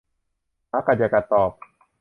หมากัดอย่ากัดตอบ